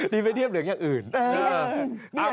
นี่ไม่เทียบเหลืองอย่างอื่น